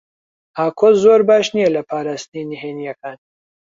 ئاکۆ زۆر باش نییە لە پاراستنی نهێنییەکان.